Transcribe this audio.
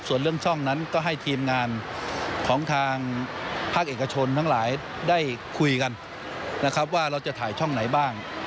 ส่วนเรื่องช่องนั้นก็ให้ทีมงานของทางภาคเอกชนทั้งหลายได้คุยกันนะครับว่าเราจะถ่ายช่องไหนบ้าง